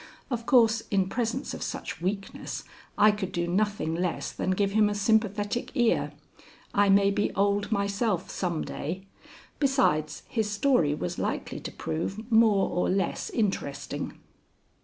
Of course in presence of such weakness I could do nothing less than give him a sympathetic ear. I may be old myself some day. Besides, his story was likely to prove more or less interesting.